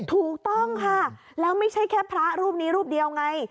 ถูกต้องค่ะแล้วไม่ใช่แค่พระรูปนี้รูปเดียวไง